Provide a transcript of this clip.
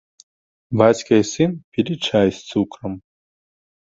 Бацька і сын пілі чай з цукрам.